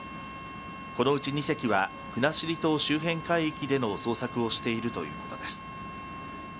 このうち２隻は国後島周辺海域での捜索をしているということです。